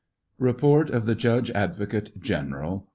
REPORT OF THE JUDGE ADVOCATE GENERAL.